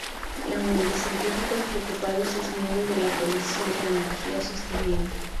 La Unión de Científicos Preocupados es miembro de la Coalición de Energía Sostenible.